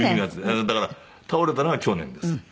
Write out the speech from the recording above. だから倒れたのが去年です。